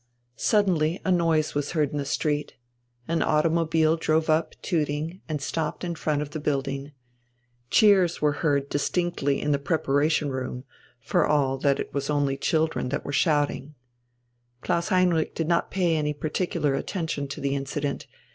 Suddenly a noise was heard in the street. An automobile drove up tooting and stopped in front of the building. Cheers were heard distinctly in the preparation room, for all that it was only children that were shouting. Klaus Heinrich did not pay any particular attention to the incident.